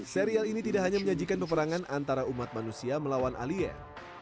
serial ini tidak hanya menyajikan peperangan antara umat manusia melawan alien